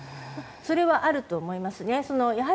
それはあると思います。